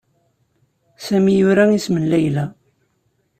Sami yura isem n Layla.